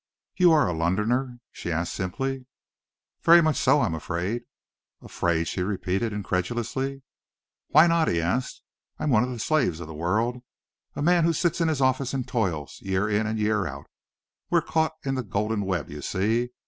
"You are a Londoner?" she asked simply. "Very much so, I am afraid." "Afraid?" she repeated incredulously. "Why not?" he asked. "I am one of the slaves of the world, a man who sits in his office and toils, year in and year out. We're caught in the Golden Web, you see.